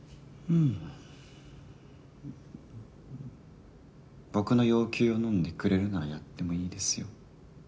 うん僕の要求をのんでくれるならやってもいいですよ